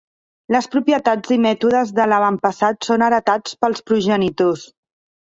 Les propietats i mètodes de l'avantpassat són heretats pels progenitors.